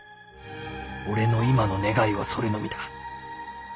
俺の今の願いはそれのみだ。